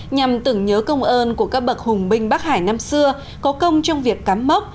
nhằm tưởng nhớ công ơn của các bậc hùng binh bắc hải năm xưa có công trong việc cắm mốc